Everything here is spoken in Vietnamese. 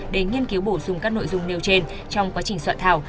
để nghiên cứu bổ sung các nội dung nêu trên trong quá trình soạn thảo